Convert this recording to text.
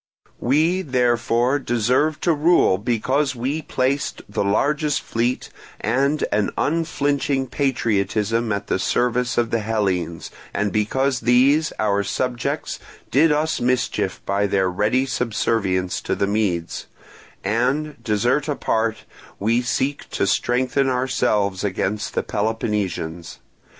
"We, therefore, deserve to rule because we placed the largest fleet and an unflinching patriotism at the service of the Hellenes, and because these, our subjects, did us mischief by their ready subservience to the Medes; and, desert apart, we seek to strengthen ourselves against the Peloponnesians.